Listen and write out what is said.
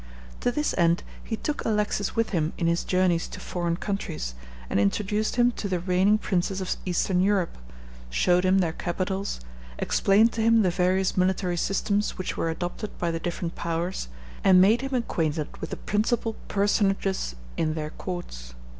To this end he took Alexis with him in his journeys to foreign countries, and introduced him to the reigning princes of eastern Europe, showed him their capitals, explained to him the various military systems which were adopted by the different powers, and made him acquainted with the principal personages in their courts.